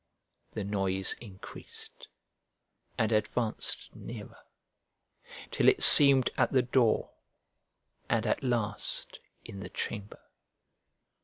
The noise increased and advanced nearer, till it seemed at the door, and at last in the chamber.